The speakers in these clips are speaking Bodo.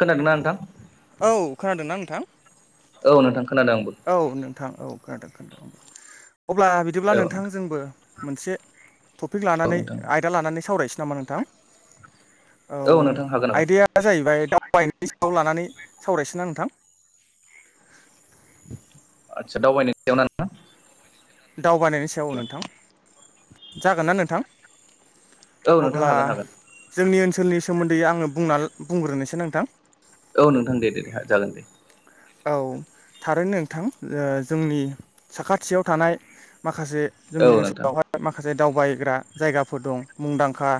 खोनादोंना नोंथां। औ खोनादोंना नोंथां। औ नोंथां। खोनादों आंबो औ नोंथां औ खोनादों खोनादों अब्ला बिदिब्ला औ नोंथां जोंबो। मोनसे टपिक लानानै नोंथां आयदा लानानै सावरायनोसै नामा नोंथां? औ नोंथां नोंथां हागोन हागोन आइडाया जाहैबाय दाउ [unintelligible] सायाव लानानै सावरायनोसै ना नोंथां? आदसा दावबायनायनि सायाव ना नोंथां? दावबायनायनि सायाव ओं नोंथां जागोन ना नोंथां? औ नोंथां अब्ला हागोन हागोन जोंनि ओनसोलनि सोमोन्दै आंङो बुंना बुंग्रोनोसै नोंथां। औ नोंथां दे दे दे जागोन दे। औ थारैनो नोंथां ओ जोंनि साखाथियाव थानाय माख खासे औ जोंनि नोंथां ओनसोलावहाय माखासे दावबायग्रा जायगाफोर दं मुंदांखा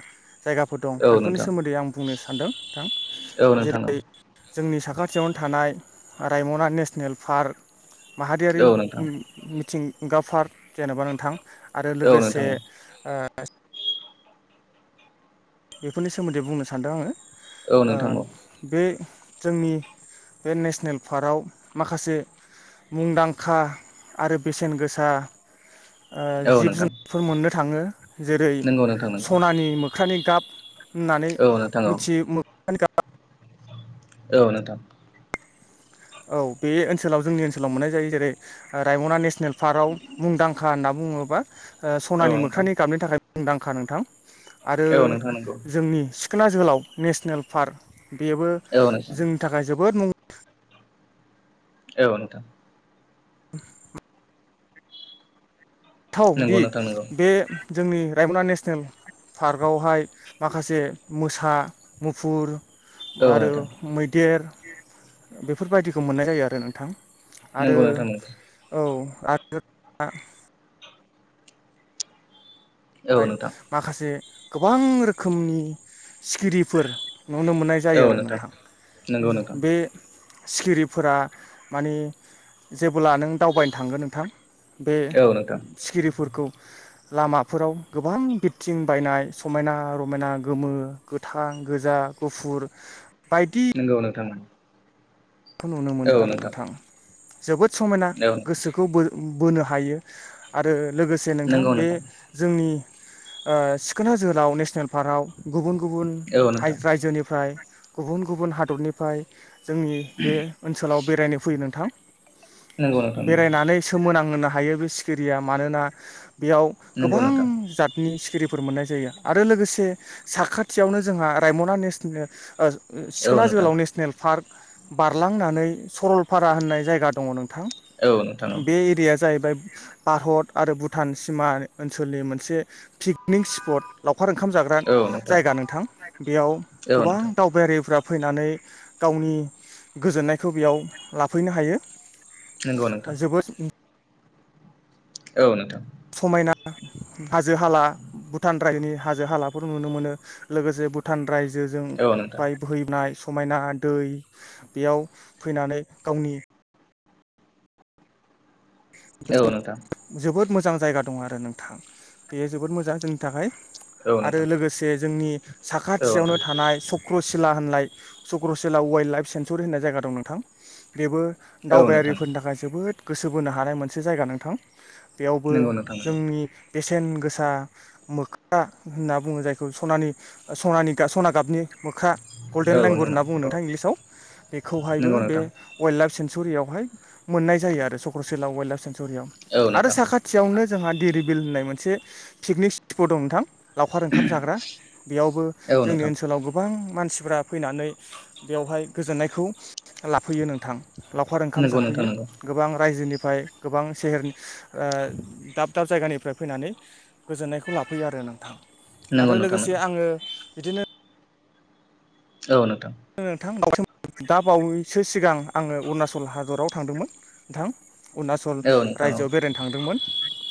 जायगाफोर दं औ बेफोरनि नोंथां सोमोन्दै आं बुंनो सानदों नोंथां औ नोंथां जेरै औ जोंनि साखाथियावनो थानाय रायमना नेसनेल पार्क माहारियारि औ नोंथां मि-मिथिंगा पार्क जेनेबा नोंथां आरो औ लोगोसे नोंथां औ ओ बेफोरनि सोमोन्दै बुंनो सानदों आंङो औ ओ नोंथां औ बे जोंनि बे नेसनेल पार्कआव माखासे मुंदांखा आरो बेसेन गोसा ओ औ जिब नोंथां जुनारफोर मोननो थाङो जेरै नंगौ नोंथां नंगौ सनानि मोख्रानि गाब होननानै औ नोंथां औ मिथियो मोख्रानि गाब औ नोंथां। औ बे ओनसोलाव जोंनि ओनसोलाव मोननाय जायो जेरै रायमना नेसनेल पार्कआव मुंदांखा होनना बुङोबा औ सनानि नोंथां मोख्रानि गाबनि थाखाय मुंदांखा नोंथां आरो औ नोंथां नंगौ जोंनि सिखोना जोहोलाव नेसनेल पार्क बेबो औ नोंथां जोंनि थाखाय जोबोद मुं औ नोंथां। नंगौ थावदि नोंथां नंगौ बे जोंनि रायमना नेसनेल पार्कआवहाय माखासे मोसा मुफुर औ आरो नोंथां मैदेर बेफोरबायदिखौ मोननाय जायो आरो नोंथां। आरो नंगौ नोंथां नंगौ औ आरो औ नोंथां माखासे गोबां रोखोमनि सिखिरिफोर नुनो मोननाय जायो आरो नोंथां नंगौ नोंथां बे सिखिरिफोरा माने जेब्ला नों दावबायनो थांगोन नोंथां बे औ नोंथां सिखिरिफोरखौ लामा बेफोराव गोबां बिरथिं बायनाय समायना रमायना गोमो गोथां गोजा गुफुर [unintelligible] नंगौ नोंथां। खौ नुनो मोनो आरो नोंथां जोबोद समायना औ गोसोखौ बो बोनो हायो आरो लोगोसे नोंथां बे जोंनि ओ सिखोना जोहोलाव नेसनेल पार्कआव गुबुन गुबुन औ नोंथां रायजोनिफ्राय गुबुन गुबुन हादरनिफ्राय जोंनि बे ओनसोलाव बेरायनो फैयो नोंथां। नंगौ नोंथां बेरायनानै सोमोनांहोनो हायो बे सिखिरिया मानोना बेयाव नंगौ नंगौ गोबां नोंथां जातनि सिखिरि फोर मोननाय जायो आरो लोगोसे साखाथियावनो जोंहा रायमना नेसनेल औ सिखोना नोंथां जोहोलाव नेसनेल पार्क बारलांनानै सरलपारा होननाय जायगा दङ नोंथां औ नोंथां बे एरिया जाहैबाय भारत आरो भुटान सिमा ओनसोलनि मोनसे पिकनिक स्पट लावखार ओंखाम जाग्रा औ जायगा नोंथां बेयाव औ गोबां नोंथां दावबायारिफ्रा फैनानै गावनि गोजोननायखौ बेयाव लाफैनो हायो। नंगौ नोंथां जोबोद औ नोंथां। समायना हाजो हाला भुटान रायजोनि हाजो हालाफोर नुनो मोनो लोगोसे भुटान रायजोजों औ नोंथां बाय बोहैनाय समायना दै बेयाव फैनानै गावनि औ नोंथां जोबोद मोजां जायगा दं आरो नोंथां बेयो जोबोद मोजां जोंनि थाखाय औ आरो नोंथां लोगोसे जोंनि औ साखाथियावनो नोंथां थानाय सक्र' सिला होननाइ चक्रसिला वाइल्ड लाइफ सेंसुरि होननाय जायगा दं नोंथां बेबो औ नोंथां दावबायारिफोरनि थाखाय जोबोद गोसो बोनो हानाय मोनसे जायगा नोंथां बेयावबो नंगौ नोंथां नंगौ जोंनि बेसेन गोसा मोख्रा होनना बुङो जायखौ सनानि सनानि सना गाबनि मोखा गल्डेन औ लेंगुवर नोंना होनना बुङो औ नोंथां इंलिसाव बेखौहायबो नंगौ बे नोंथां वाइल्ड लाइफ सेेनस सेनसुरियावहाय मोननाय जायो आरो चक्रसिलला वाइल्ड लाइफ सेेनसु सरियाव औ आरो नोंथां साखाथियावनो जोंहा दिरिबिल होननाय मोनसे पिकनिक स्पट दं नोंथां लावखार ओंखाम जाग्रा बेयावबो औ जोंनि नोंथां ओनसोलाव गोबां मानसिफ्रा फैनानै बेवहाय गोजोननायखौ लाफैयो नोंथां लावखार ओंखाम नंगौ नोंथां जाफैयो नंगौ गोबां रायजोनिफ्राय गोबां सेहेर ओ दाब दाब जायगानिफ्राय फैनानै गोजोननायखौ ला जाफैयो आरो नोंथां नंगौ आरो नोंथां लोगोसे नंगौ आङो बिदिनो औ नोंथां नोंथां दा बावैसो सिगां आङो अरुणाचल हादराव थांदोंमोन नोंथां अरुणाचल औ नोंथां रायजोआव बेरायनो थांदोंमोन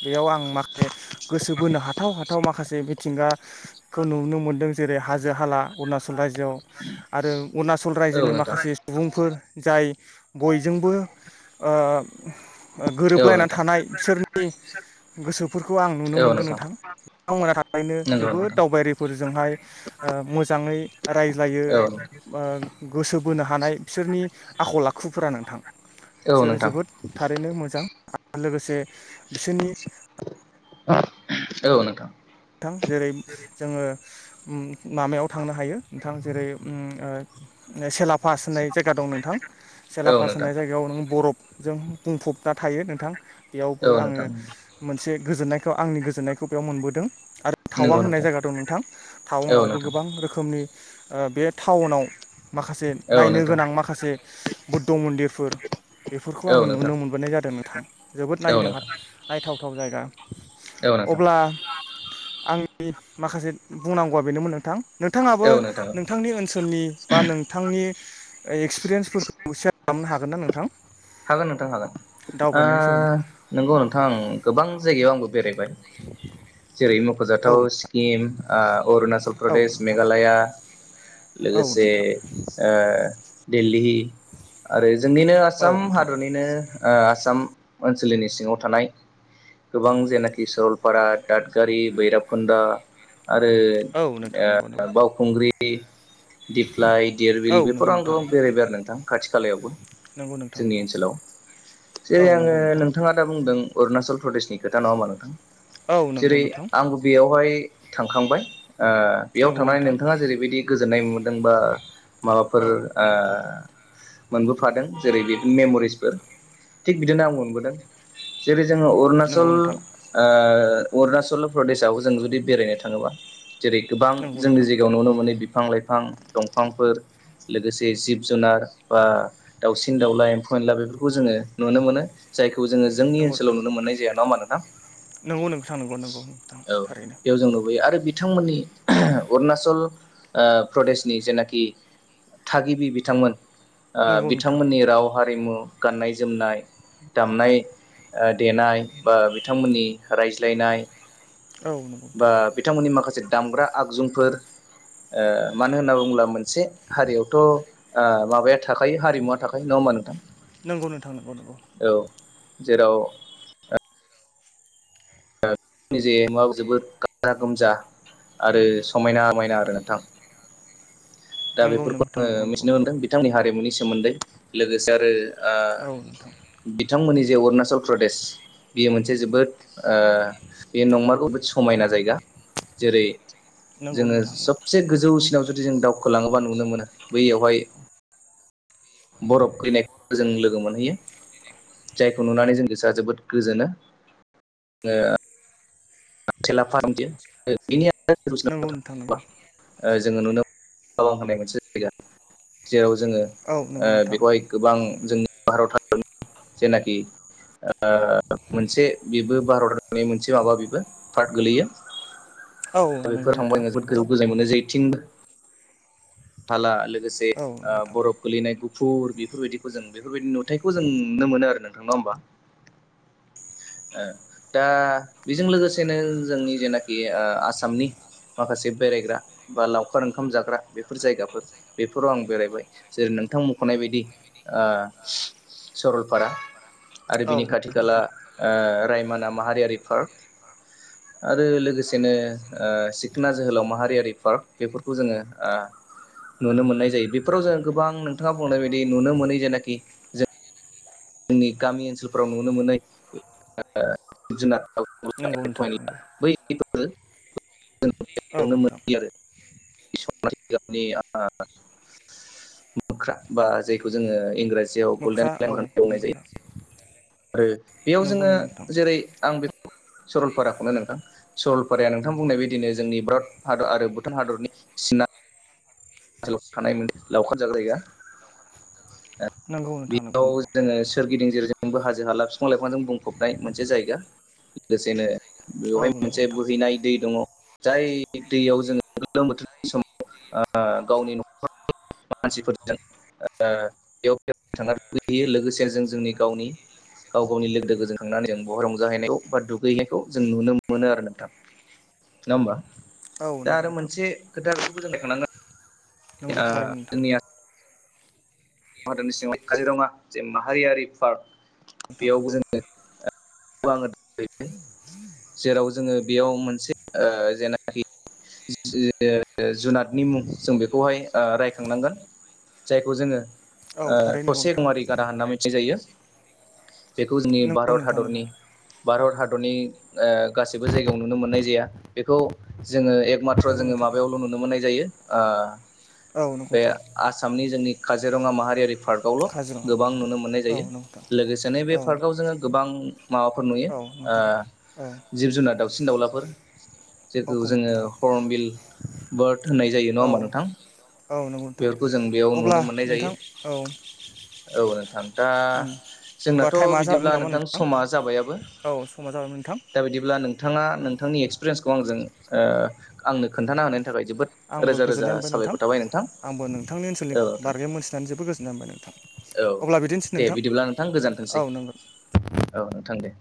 बेयाव आं माखासे गोसो बोनो हाथाव हाथ व माखासे मिथिंगाखौ नुनो मोनदों जेरै हाजो हाला अरुणाचल रायजोआव आरो अरुणाचल औ रायजोनि नोंथां माखासे सुबुंफोर जाय बयजोंबो ओ औ गोरोबलायना नोंथां थानाय बिसोरनि गोसोफोरखौ आं नुनो मोनदों नोंथां बिथांमोनहा थाबैनो नंगौ जोबोद नोंथां दावबायारिफोरजोंहाय मोजाङै रायज्लायो औ नोंथां गोसो बोनो हानाय बिसोरनि आखल आखुफोरा नोंथां औ बिसोरो नोंथां जोबोद थारैनो मोजां आरो लोगोसे बिसोरनि औ नोंथां थां जेरै जोङो माबायाव थांनो हायो नोंथां जेरै सेला फास होननाय जायगा दं नोंथां औ सेलाफास नोंथां होननाय जायगायाव नों बर जों बुंफबना थायो नोंथां बेयावबो औ आङो नोंथां मोनसे गोजोननायखौ आंनि गोजोननायखौ बेयाव मोनबोदों आरो टावां नंगौ होननाय नोंथां जायगा दं नोंथां औ टावांआवबो नोंथां गोबां रोखोमनि ओ बे टाउनाव माखासे औ नायनो नोंथां गोनां माखासे बुद्ध मन्दिरफोर बेफोरखौ औ आङो नोंथां नुनो मोनबोनाय जादों नोथां जोबोद औ नायनो हाथ नोंथां नायथावथाव जायगा औ नोंथां अब्ला आंनि माखासे बुंनांगौआ बेनोमोन नोंथां नोंथाङाबो औ नोंथां नोंथांनि ओनसोलनि बा नोंथांनि एक्सपिरियेन्सफोरखौ सेयार खालामनो हागोन ना नोंथां हागोन नोंथां हागोन ओ दावबायनायनि सोमोन्दै नंगौ नोंथां गोबां जायगायाव आंबो बेरायबाय जेरै औ मख'जाथाव स्किम ओ अरुणाचल औ प्रदेश नोंथां मेघालया औ लोगोसे नोंथां ओ दिली आरो जोंनिनो औ आसाम नोंथां हादरनिनो आसाम ओनसोलनि सिङाव थानाय गोबां जेनाखि सरलपारा दादगारि बैरिबखुन्दा आरो औ नोंथां ओ नंगौ नंगौ बावखुंग्रि दिप्लाय देरबिल औ नंगौ बेफोर आंगो नोंथां बेरायबाय आरो नोंथां खाथि खालायावबो नंगौ नोंथां जोंनि नंगौ ओनसोलाव जेरै औ आङो नंगौ नोंथां नोंथाङा दा बुंदों अरुणाचल प्रदेशनि खोथा नङा होमा नोंथां औ नंगौ जेरै नोंथां आंबो बेयावहाय थांखांबाय ओ बेयाव नंगौ थांनानै नोंथां नोंथाङा जेरैबायदि गोजोननाय मोनदों बा माबाफोर औ ओ नंगौ नोंथां मोनबोफादों जेरै बि मेमरिसफोर थिग बिदिनो आं मोनबोदों जेरै जोङो अरुणचल नंगौ नोंथां ओ अरुणाचल प्रदेशआव जों जुदि बेरायनो थाङोबा जेरै गोबां नंगौ जोंनि नोंथां जायगायाव नुनो मोनो बिफां लाइफां दंफांफोर लोगोसे जे जिब जुनार बा दाउसिन दाउला एम्फौ एनला बेफोरखौ जोङो नुनो मोन जाय खौ जोङो जोंनि ओनसोलाव नुनो मोननाय जाया नङा होमबा नोथां नंगौ नों औ बेयाव जों लुबैयो आरो बिथांमोननि अरुनाचल प्रदेशनि ओ जेनाखि थागिबि बिथांमोन ओ नंगौ नोंथां बिथांमोननि राव हारिमु गाननाय जोमनाय दामनाय ओ देनाय बा बिथांमोननि राय लायनाय औ नंगौ बा नोंथां बिथांमोननि माखासे दामग्रा आगजुफोर ओ मानो होनना बुङोब्ला मोनसे हारियावथ' ओ माबाया थाखायो हारिमुवा थाखायो नङा होमबा नोंथां नंगौ नोंथां नांगौ नंगौ औ जेराव निजे मुवाव जोबोद गाजा गोमजा आरो समायना मायना आरो नोंथां दा नंगौ बेफोरखौ नोंथां आंओ नंगौ नंगौ मिथिनो नंगौ मोनदों हारिमुनि सोमोन्दै लोगोसे आरो ओ औ नोंथां बिथांमोननि जे अरुणाचल प्रदेश बियो मोनसे जोबोद ओ बे नंमारगौ जोबोद समायना जायगा जेरै नंगौ जोङो नोंथां सबसे गोजौसिनाव जुदि जों दावखोलाङोबा नुनो मोनो बैयावहाय बरफ खैनाय जों लोगो मोनहैयो जायखौ नुनानै जों गोसोआ जोबोद गोजोनो ओ [unintelligible] नंगौ नोंथां नंगौ ओ जोङो नुनो थावां होनाय मोनसे जायगा जेराव जोङो औ ओ नंगौ नोंथां बेखौहाय गोबां जोंनि भारत हखरनि जेनाखि ओ मोनसे बेबो भारतनि मोनसे माबा बेबो पार्ट गोलैयो औ दा नंगौ बेफोर नोंथां थांबाय आं जोबोद नंगौ गोजौ गोजाय मोनो जेथिंबो थाला लोगोसे औ नंगौ ओ नोंथां बरफ गोलैनाय गु फुर बेफोरबायदिखौ जों बेफोरबायदि नुथायखौ जों नुनो मोनो आरो नोंथां नङा होमबा [inaudible] ओ दा बेजों लोगोसेनो जोंनि जेनाखि ओ आसामनि माखासे बेरायग्रा बा लावखार ओंखाम जाग्रा बे बेफोर जायगाफोर बेफोराव आं बेरायबाय जेरै नोंथां मखनाय बायदि ओ सरलपारा आरो औ बिनि नंगौ खाथि खाला नोंथां ओ रायमाना माहारियारि पार्क आरो लोगोसेनो ओ सिखना जोहोलाव माहारियारि पार्क बेफोरखौ जोङो ओ नुनो मोननाय जायो बेफोराव जों गोबां नोंथाङा बुंनाय बायदि नुनो मोनै जेनाखि जों जोंनि गामि ओनसोलफोराव नुनो मोनै जिब जुनार नंगौ नोंथां नंगौ औ नोंथां [unintelligible] आरो [unintelligible] मोख्रा बा जायखौ जोङो इंराज जियाव गल्डेन मोख्रा औ लेंगुर होनना बुंनाय नंगौ जायो आरो बेयाव नंगौ जोङो नंगौ नोंथां जेरै आं [inaudible] सरलपाराखौनो नोंथां सरलपाराया नोंथां बुंनाय बायदिनो जोंनि भरत हादर आरो भुटान हादरनि सिना सोलाव थानाय मोन लावखार जाग्रा जायगा नंगौ नोंथां नंगौ बेयाव नंगौ जोङो सोरगिदिं जेरै जोंबो हाजो हाला फिफां लाइफांजों बुंफबनाय मोनसे जायगा लोगोसेनो औ बेवहाय नंगौ मोनसे नोंथां बोहैनाय दै दङ। जाय दैयाव जोङो गोलोम बोथोरनि समाव आं गावनि न मानसिफोरजों ओ बेयाव थांनो दुगै हैयो लोगोसे जों जोंनि गावनि गाव गावनि लोगो दोगोजों थांनानै जों बहा रंजाहैनायखौ बा दुगै हैनायखौ जों नुनो मोनो आरो नोंथां। नङा होमबा औ दा नंगौ आरो नोंथां मोनसे खोथा बेखौबो जों रायखांनांगोन नंगौ थारैनो आ नोंथां जोंनिया भारतनि सिङाव काजिरङा जे माहारियारि पार्क नोंथां बेयावबो जोङो आङो [unintelligible] जेराव जोङो बेयाव मोनसे ओ जेनाखि। [unintelligible] जुनादनि मुं जों बेखौहाय ओ रायखांनांगोन जायखौ जोङो औ ओ थारैनो नंगौ थसे नोंथां गवारि औ गारा होनना मिथि जायो। बेखौ जोंनि नंगौ भारत नोंथां नंगौ हादरनि भारत हादरनि ओ गासिबो जायगायाव नुनो मोननाय जाया बेखौ जोङो एकमाथ्र नंगौ जोङो नोंथां माबा बेयावल नुनो मोननाय जायो ओ औ नंगौ बे नोंथां आसामनि जोंनि काजिरङा माहारियारि पार्क पार्कआवल' काजिरङा गोबां नुनो मोननाय औ जायो नंगौ नोंथां लोगोसेनो बे औ पार्कआव जोङो गोबां माबाफोर नुयो औ नोंथां औ जिब जुनार दाउसिन दाउलाफोर जेखौ औ जोङो नोंथां हरमबिल बार्थ होननाय जायो नङा औ होमबा नोंथां औ नंगौ नोंथां बेफोरखौ जों बेयाव अब्ला नुनो मोननाय जायो। नोंथां औ औ नोंथां दा होमबा जोंनाथ' टाइमा जाबायमोन बिदिब्ला नामा नोंथां समाज जाबायाब औ समा जाबायमोन नोंथां दा बिदिब्ला नों नोंथाङा नोंथांनि एक्सपिरियेन्सखौ आंजों आंनो खोनथा हानाय आंबो गोजोननाय मोनबाय नोंथां आंबो नोंथांनि ओनसोलनि औ नोंथां बारगे मोनथिनानै जोबबोद गोजोननाय मोनबाय नोंथां। औ अब्ला बिदिनोसै दे नोंथां बिदिब्ला नोंथां औ गोजोनथोंसै। नंगौ औ नोंथां दे।